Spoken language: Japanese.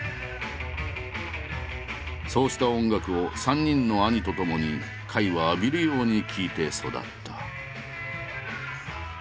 そうした音楽を３人の兄とともに甲斐は浴びるように聴いて育った。